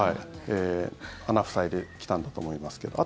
穴、塞いできたんだと思いますけど。